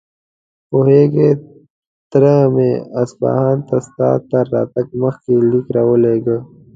پوهېږې، تره مې اصفهان ته ستا تر راتګ مخکې ليک راولېږه.